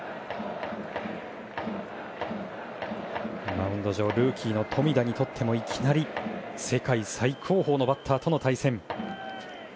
マウンド上ルーキーの富田にとってもいきなり世界最高峰のバッターとの対戦。